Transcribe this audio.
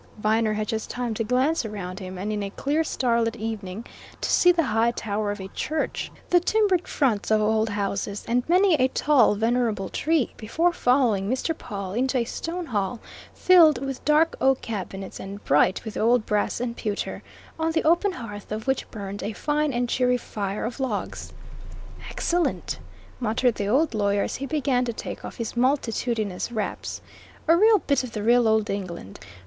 Viner had just time to glance around him, and in a clear, starlit evening, to see the high tower of a church, the timbered fronts of old houses, and many a tall, venerable tree, before following Mr. Pawle into a stone hall filled with dark oak cabinets and bright with old brass and pewter, on the open hearth of which burnt a fine and cheery fire of logs. "Excellent!" muttered the old lawyer as he began to take off his multitudinous wraps. "A real bit of the real old England!